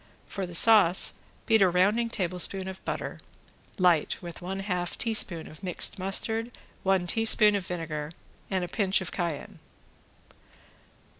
For the sauce beat a rounding tablespoon of butter light with one half teaspoon of mixed mustard, one teaspoon of vinegar and a pinch of cayenne.